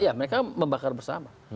ya mereka membakar bersama